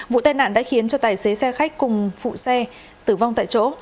vụ tai nạn đã khiến cho tài xế xe khách cùng phụ xe tử vong tại chỗ